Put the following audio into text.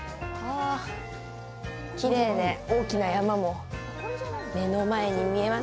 きれいで大きな山も目の前に見えます。